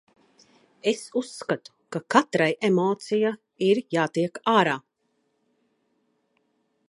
Es uzskatu, ka katrai emocija ir jātiek ārā.